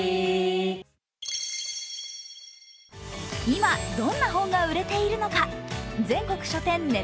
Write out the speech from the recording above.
今、どんな本が売れているのか全国初年